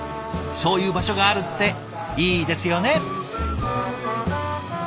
そういう場所があるっていいですよね。